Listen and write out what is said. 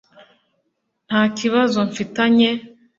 ntakibazo mfitanye